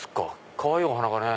かわいいお花がね